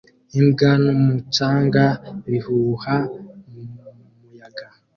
Imbwa n'umucanga bihuha mu muyaga